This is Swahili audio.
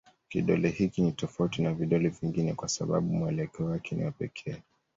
Kidole hiki ni tofauti na vidole vingine kwa sababu mwelekeo wake ni wa pekee.